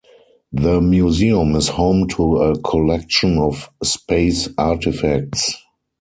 The museum is home to a collection of space artifacts.